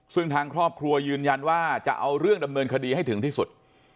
ซึ่งทางครอบครัวยืนยันว่าจะเอาเรื่องดำเนินคดีให้ถึงที่สุด